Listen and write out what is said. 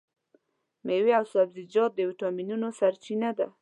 مېوې او سبزیجات د ویټامینونو سرچینه ده.